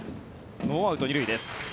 ノーアウト２塁です。